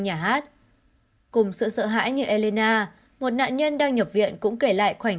khán phòng nhà hát cùng sự sợ hãi như elena một nạn nhân đang nhập viện cũng kể lại khoảnh